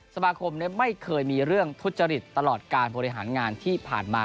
สมาคมไม่เคยมีเรื่องทุจริตตลอดการบริหารงานที่ผ่านมา